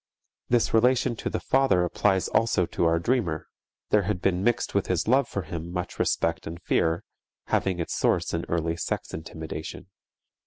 This relation to the father applies also to our dreamer; there had been mixed with his love for him much respect and fear, having its source in early sex intimidation.